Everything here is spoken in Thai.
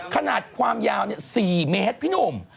ขนาดความยาว๔เมตรพี่หนุ่ม